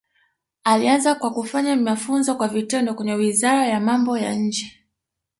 Alianza kwa kufanya mafunzo kwa vitendo kwenye Wizara ya Mambo ya Nje